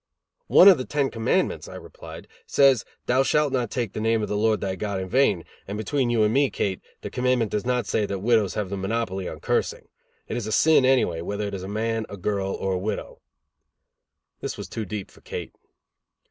"One of the Ten Commandments," I replied, "says, 'thou shalt not take the name of the Lord thy God in vain,' and between you and me, Kate, the commandment does not say that widows have the monopoly on cursing. It is a sin, anyway, whether it is a man, a girl or a widow." This was too deep for Kate.